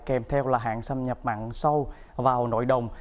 kèm theo là hạn xâm nhập mặn sâu vào nội đồng